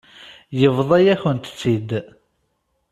Yebḍa-yakent-tt-id.